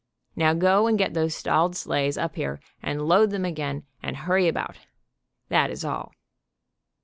Now go and get those stalled sleighs up here, and load them again, and hurry about. That is all."